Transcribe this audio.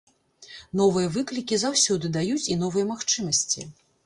Новыя выклікі заўсёды даюць і новыя магчымасці.